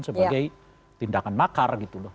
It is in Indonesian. sebagai tindakan makar gitu loh